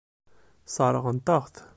Sseṛɣent-aɣ-t.